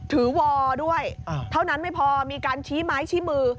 วอด้วยเท่านั้นไม่พอมีการชี้ไม้ชี้มือ